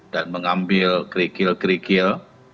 dan mengambil kerikil kerikil